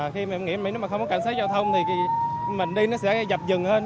khi mình nghĩ nếu mà không có cảnh sát giao thông thì mình đi nó sẽ dập dừng hơn